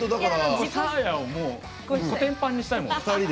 サーヤをこてんぱんにしたいもん。